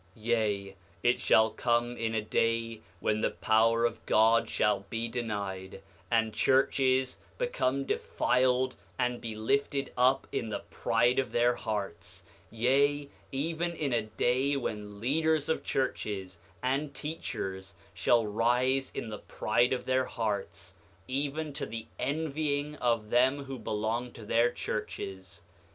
8:28 Yea, it shall come in a day when the power of God shall be denied, and churches become defiled and be lifted up in the pride of their hearts; yea, even in a day when leaders of churches and teachers shall rise in the pride of their hearts, even to the envying of them who belong to their churches.